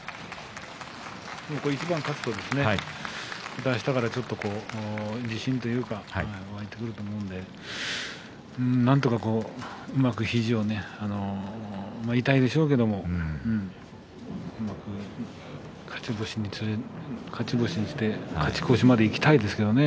一番勝つと、またあしたから自信というか湧いてくると思うのでなんとか、うまく肘を痛いでしょうけどうまく勝ち越しにして勝ち越しまでいきたいですよね。